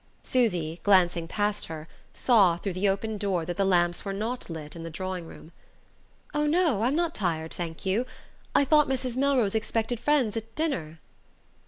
Susy, glancing past her, saw, through the open door, that the lamps were not lit in the drawing room. "Oh, no, I'm not tired, thank you. I thought Mrs. Melrose expected friends at dinner!"